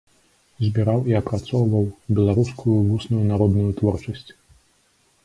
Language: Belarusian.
Збіраў і апрацоўваў беларускую вусную народную творчасць.